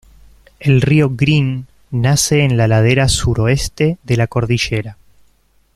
El río Green nace en la ladera suroeste de la cordillera.